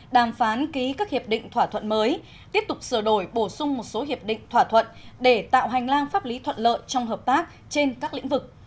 đàm phán ký các hiệp định thỏa thuận mới tiếp tục sửa đổi bổ sung một số hiệp định thỏa thuận để tạo hành lang pháp lý thuận lợi trong hợp tác trên các lĩnh vực